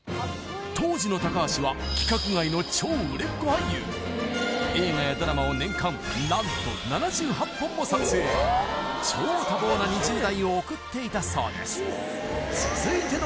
当時の高橋は映画やドラマを年間何と７８本も撮影超多忙な２０代を送っていたそうです